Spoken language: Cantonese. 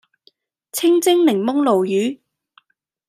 清蒸檸檬鱸魚